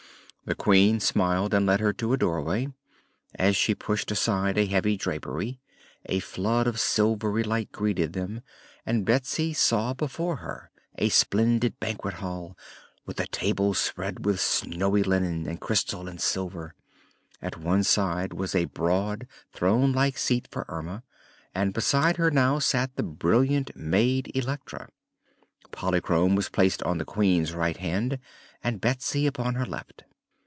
The Queen smiled and led her to a doorway. As she pushed aside a heavy drapery a flood of silvery light greeted them, and Betsy saw before her a splendid banquet hall, with a table spread with snowy linen and crystal and silver. At one side was a broad, throne like seat for Erma and beside her now sat the brilliant maid Electra. Polychrome was placed on the Queen's right hand and Betsy upon her left.